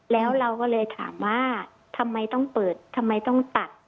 แล้วเราก็เลยถามว่าทำไมต้องเปิดทำไมต้องตัด